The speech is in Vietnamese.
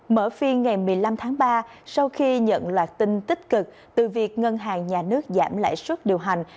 mở phiên ngày một mươi năm tháng ba sau khi nhận loạt tin tích cực từ việc ngân hàng nhà nước giảm lãi suất điều hành